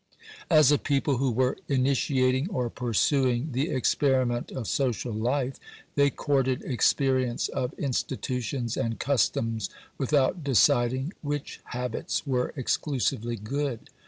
As a people who were initiating or pursuing the experiment of social life, they courted experience of institutions and customs without deciding which habits were exclusively good.